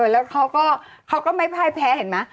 แล้วเขาก็ไม่พ่ายแพ้เห็นไหม